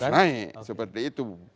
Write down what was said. terus naik seperti itu